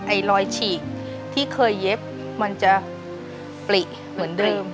รอยฉีกที่เคยเย็บมันจะปลิเหมือนเดิม